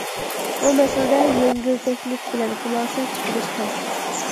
بۇ مەسىلىدە يەڭگىلتەكلىك بىلەن خۇلاسە چىقىرىش تەس.